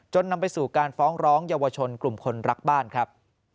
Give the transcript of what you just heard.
นำไปสู่การฟ้องร้องเยาวชนกลุ่มคนรักบ้านครับ